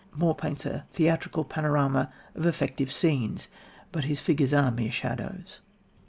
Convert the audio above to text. Moore paints a theatrical panorama of effective scenes, but his figures are mere shadows.